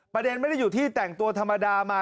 ประเด็นไม่ได้อยู่ที่แต่งตัวธรรมดามา